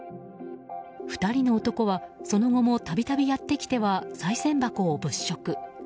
２人の男は、その後も度々やってきてはさい銭箱を物色。